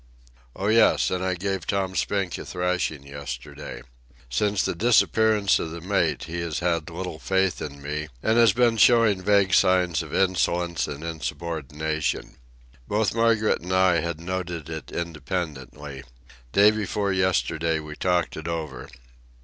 Oh, yes, and I gave Tom Spink a thrashing yesterday. Since the disappearance of the mate he had had little faith in me, and had been showing vague signs of insolence and insubordination. Both Margaret and I had noted it independently. Day before yesterday we talked it over.